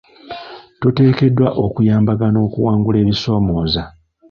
Tuteekeddwa okuyambagana okuwangula ebitusomooza .